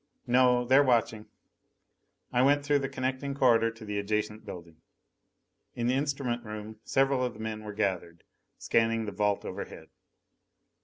"No. They're watching." I went through the connecting corridor to the adjacent building. In the instrument room several of the men were gathered, scanning the vault overhead.